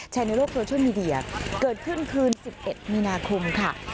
แชนเนียลโลกโทรชั่วมีเดียเกิดขึ้นคืน๑๑มีนาคมค่ะ